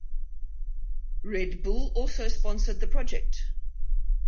Red Bull also sponsored the project.